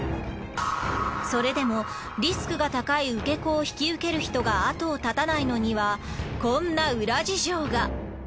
それでもリスクが高い受け子を引き受ける人が後を絶たないのにはこんな裏事情が。